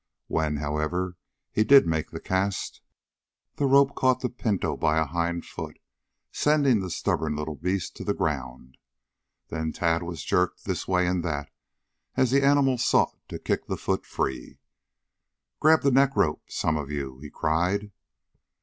When, however, he did make the cast, the rope caught the pinto by a hind foot, sending the stubborn little beast to the ground. Then Tad was jerked this way and that as the animal sought to kick the foot free. "Grab the neck rope some of you," he cried.